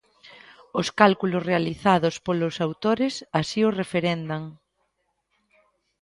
Os cálculos realizados polos autores así o referendan.